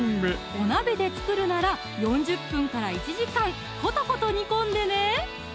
お鍋で作るなら４０分から１時間コトコト煮込んでね！